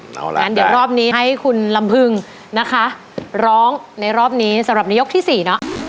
เอาล่ะงั้นเดี๋ยวรอบนี้ให้คุณลำพึงนะคะร้องในรอบนี้สำหรับในยกที่สี่เนอะ